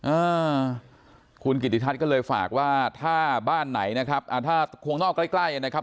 อ่าคุณกิติทัศน์ก็เลยฝากว่าถ้าบ้านไหนนะครับอ่าถ้าควงนอกใกล้ใกล้นะครับ